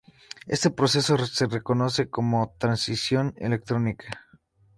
Este proceso se conoce como transición electrónica.